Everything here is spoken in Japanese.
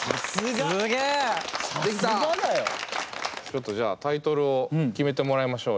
ちょっとじゃあタイトルを決めてもらいましょうよ。